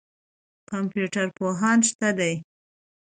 کمپیوټر پوهان شته دي.